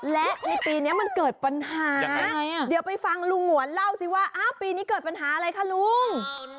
และในปีนี้มันเกิดปัญหาเดี๋ยวไปฟังลุงหงวนเล่าสิว่าอ้าวปีนี้เกิดปัญหาอะไรคะลุง